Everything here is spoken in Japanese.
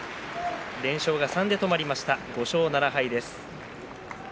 連勝が３で止まりました５勝７敗です。